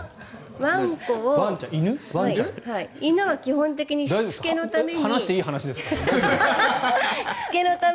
わんこを犬は基本的にしつけのために。